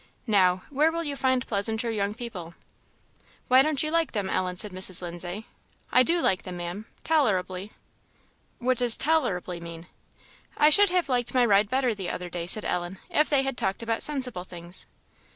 Now, where will you find pleasanter young people?" "Why don't you like them, Ellen?" said Mrs. Lindsay. "I do like them, Ma'am, tolerably." "What does 'tolerably' mean?" "I should have liked my ride better the other day," said Ellen, "if they had talked about sensible things."